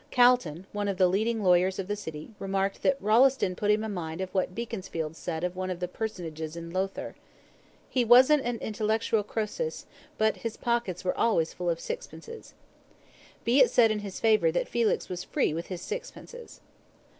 Calton, one of the leading lawyers of the city, remarked that "Rolleston put him in mind of what Beaconsfield said of one of the personages in Lothair, 'He wasn't an intellectual Croesus, but his pockets were always full of sixpences.'" Be it said in his favour that Felix was free with his sixpences.